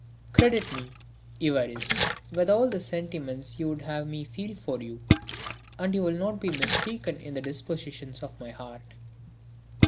"Credit me, Évariste, with all the sentiments you would have me feel for you, and you will not be mistaken in the dispositions of my heart."